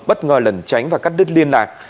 bất ngờ lẩn tránh và cắt đứt liên lạc